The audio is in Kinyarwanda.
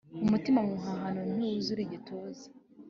Umutima muhanano ntiwuzura igituza.